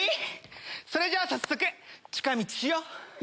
それじゃあ早速近道しよう！